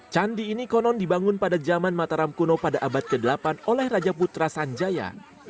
candi ini konon dibangun pada zaman mataram kuno pada abad ke delapan oleh raja putra sanjaya